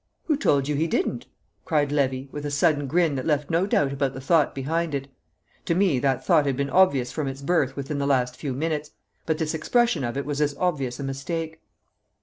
"Who told you he didn't?" cried Levy, with a sudden grin that left no doubt about the thought behind it. To me that thought had been obvious from its birth within the last few minutes; but this expression of it was as obvious a mistake.